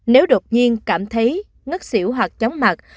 nếu đột nhiên cảm thấy ngất xỉu hoặc chóng mặt